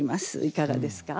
いかがですか？